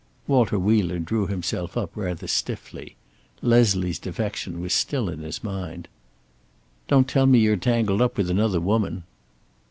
Walter Wheeler drew himself up rather stiffly. Leslie's defection was still in his mind. "Don't tell me you're tangled up with another woman."